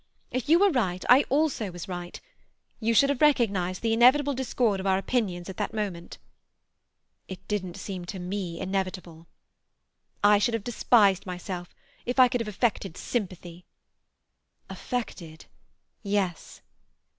If you were right, I also was right. You should have recognized the inevitable discord of our opinions at that moment." "It didn't seem to me inevitable." "I should have despised myself if I could have affected sympathy." "Affected—yes."